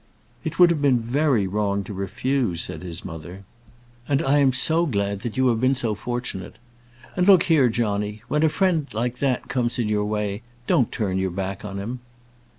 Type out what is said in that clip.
"It would have been very wrong to refuse," said his mother. "And I am so glad you have been so fortunate. And look here, Johnny: when a friend like that comes in your way, don't turn your back on him."